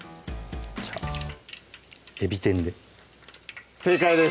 じゃあえび天で正解です